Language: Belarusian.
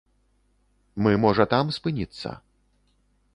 Мы можа там спыніцца?